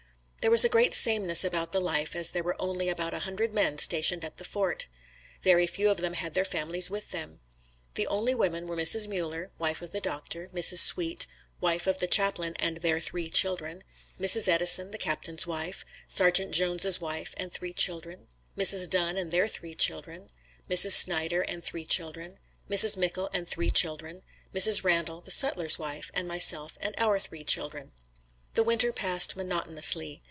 There was a great sameness about the life as there were only about a hundred men stationed at the fort. Very few of them had their families with them. The only women were Mrs. Mueller, wife of the doctor, Mrs. Sweet, wife of the chaplain and their three children, Mrs. Edson, the Captain's wife; Sargeant Jones' wife and three children; Mrs. Dunn and their three children; Mrs. Snider and three children; Mrs. Mickel and three children; Mrs. Randall, the sutler's wife, and myself and our three children. The winter passed monotonously.